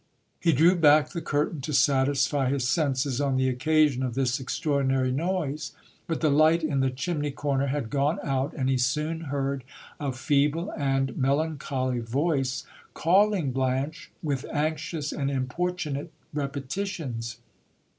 He drew back the curtain to satisfy his senses on the occasion of this extraordinary noise. But the light in the chimney corner had gone out, and he soon heard a. feeble and melancholy voice calling Blanche with anxious and importunate repetitions.